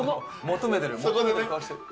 求めてる。